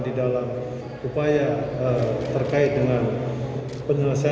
di dalam upaya terkait dengan penyelesaian